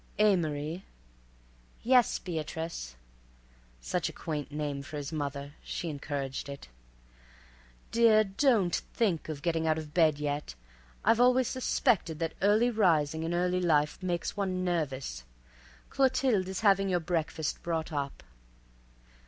"Amory." "Yes, Beatrice." (Such a quaint name for his mother; she encouraged it.) "Dear, don't think of getting out of bed yet. I've always suspected that early rising in early life makes one nervous. Clothilde is having your breakfast brought up."